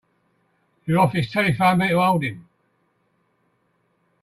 Your office telephoned me to hold him.